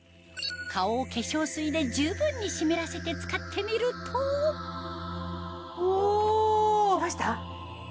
顔を化粧水で十分に湿らせて使ってみると来ました？